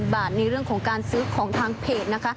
๖๐๐๐๐บาทในเรื่องของการซื้อของทางเพจ